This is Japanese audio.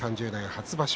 初場所